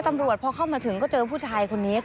ตำรวจพอเข้ามาถึงก็เจอผู้ชายคนนี้ค่ะ